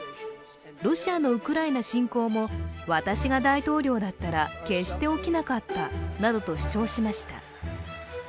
ロシアのウクライナ侵攻も私が大統領だったら決して起きなかったなどと主張しました。